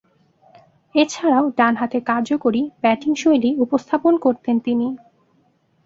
এছাড়াও, ডানহাতে কার্যকরী ব্যাটিংশৈলী উপস্থাপন করতেন তিনি।